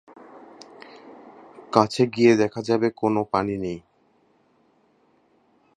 কাছে গিয়ে দেখা যাবে কোনও পানি নেই।